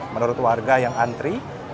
menurut warga yang antri